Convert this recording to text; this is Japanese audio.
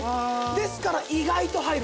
ですから意外と入るんです。